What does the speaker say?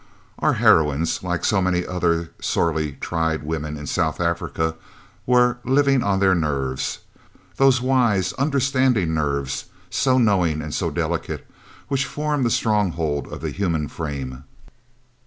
Our heroines, like so many other sorely tried women in South Africa, were "living on their nerves," those wise, understanding nerves, so knowing and so delicate, which form the stronghold of the human frame.